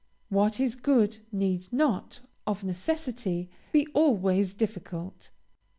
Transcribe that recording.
What is good need not, of necessity, be always difficult.